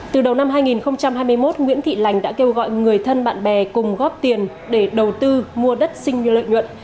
từ đầu năm hai nghìn hai mươi một nguyễn thị lành đã kêu gọi người thân bạn bè cùng góp tiền để đầu tư mua đất sinh như lợi nhuận